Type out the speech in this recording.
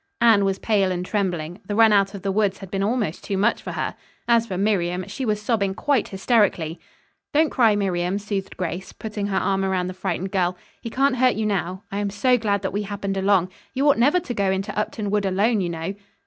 Anne was pale and trembling. The run out of the woods had been almost too much for her. As for Miriam, she was sobbing quite hysterically. "Don't cry, Miriam," soothed Grace, putting her arm around the frightened girl. "He can't hurt you now. I am so glad that we happened along. You ought never to go into Upton Wood alone, you know."